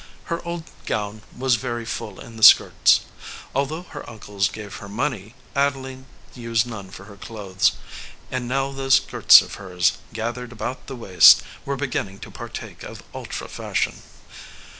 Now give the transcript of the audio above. Her old gown was very full in the skirts. Although her uncles gave her money, Adeline used none for her clothes. And now those skirts of hers, gathered about the waist, were beginning to partake of ultra fashion.